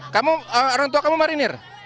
kamu orang tua kamu marinir